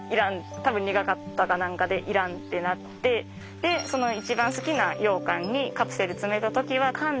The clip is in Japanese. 多分苦かったか何かで要らんってなってでその一番好きなようかんにカプセル詰めた時はかんで。